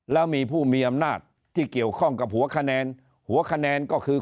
แล้วมีผู้มีอำนาจที่เกี่ยวข้องกับหัวคะแนนหัวคะแนนก็คือ